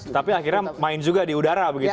tapi akhirnya main juga di udara begitu